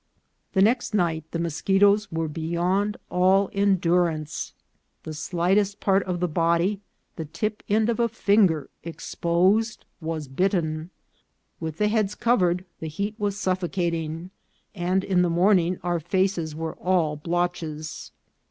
The next night the moschetoes were beyond all en durance ; the slightest part of the body, the tip end of a finger, exposed, was bitten. With the heads covered the heat was suffocating, and in the morning our faces were all in blotches.